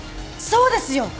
そうですよ！